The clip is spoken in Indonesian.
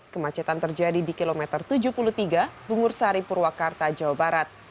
kemacetan terjadi di kilometer tujuh puluh tiga bungur sari purwakarta jawa barat